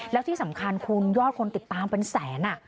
แล้วที่สำคัญคุณยอดคนติดตามเป็นแสน